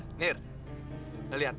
ya ini yang paling deket